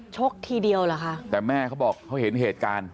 ทีเดียวเหรอคะแต่แม่เขาบอกเขาเห็นเหตุการณ์